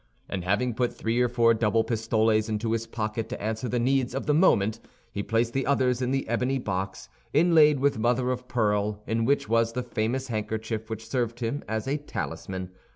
And having put three or four double pistoles into his pocket to answer the needs of the moment, he placed the others in the ebony box, inlaid with mother of pearl, in which was the famous handkerchief which served him as a talisman.